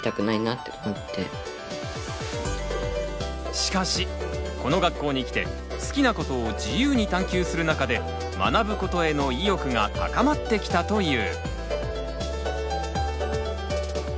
しかしこの学校に来て好きなことを自由に探究する中で学ぶことへの意欲が高まってきたという。